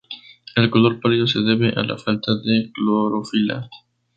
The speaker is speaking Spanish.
El color pálido se debe a la falta de clorofila.